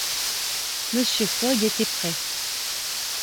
Mr. Fogg était prêt.